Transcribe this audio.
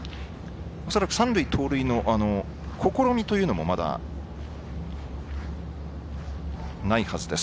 恐らく三塁盗塁の試みというのもまだないはずです。